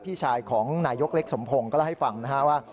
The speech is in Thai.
พี่ชายของนายกเล็กสมพงศ์ก็เล่าให้ฟังนะฮะว่า